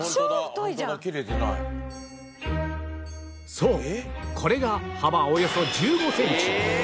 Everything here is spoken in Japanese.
そうこれが幅およそ１５センチ